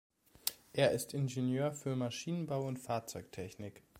Er ist Ingenieur für Maschinenbau und Fahrzeugtechnik.